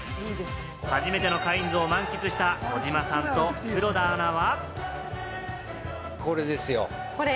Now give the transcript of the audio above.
初めてのカインズを満喫した、児嶋さんと黒田アナは。